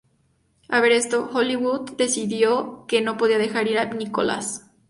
Al ver esto, Hollywood decidió que no podía dejar ir a Nicholas.